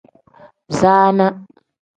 Zaana.